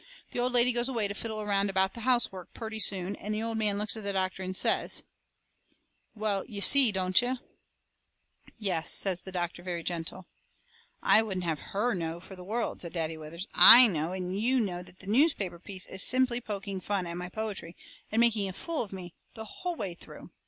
The old lady goes away to fiddle around about the housework purty soon and the old man looks at the doctor and says: "Well, you see, don't you?" "Yes," says the doctor, very gentle. "I wouldn't have HER know for the world," says Daddy Withers. "I know and YOU know that newspaper piece is just simply poking fun at my poetry, and making a fool of me, the whole way through.